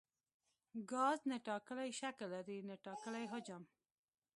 ګاز نه ټاکلی شکل لري نه ټاکلی حجم.